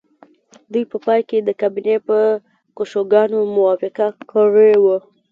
دوی په پای کې د کابینې په کشوګانو موافقه کړې وه